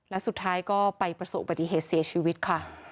และสุดท้ายก็ไปประสบอุบัติเหตุเสียชีวิตค่ะ